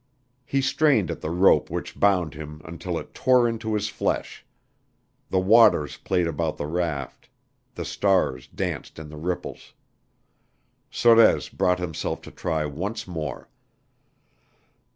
He strained at the rope which bound him until it tore into his flesh. The waters played about the raft. The stars danced in the ripples. Sorez brought himself to try once more.